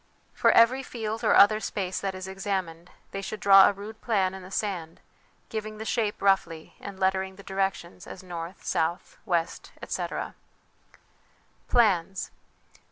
For every field or other space that is examined, they should draw a rude plan in the sand, giving the shape roughly and lettering the directions as N, S, W, etc. Plans.